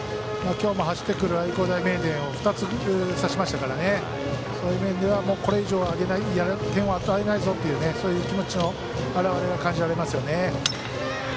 今日も走ってくる愛工大名電を２つ刺しましたからそういう面では、これ以上点を与えないぞっていうそういう気持ちの表れが感じられますね。